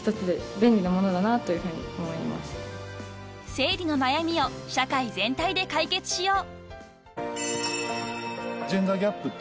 ［生理の悩みを社会全体で解決しよう］